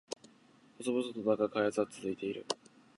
細々とだが開発は続いている